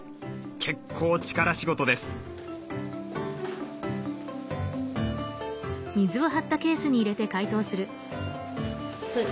結構力仕事です。